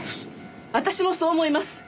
私もそう思います。